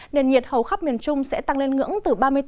nền nhiệt hầu khắp miền trung sẽ tăng lên ngưỡng từ ba mươi bốn